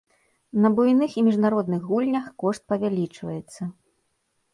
На буйных і міжнародных гульнях кошт павялічваецца.